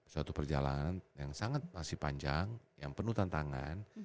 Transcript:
suatu perjalanan yang sangat masih panjang yang penuh tantangan